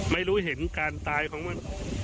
ไม่รู้เห็นการตายของมัน